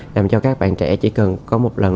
làm cho các bạn trẻ chỉ cần có một lần